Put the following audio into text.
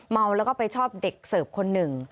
เมาแล้วก็ไปชอบเด็กเสิร์ฟคนหนึ่ง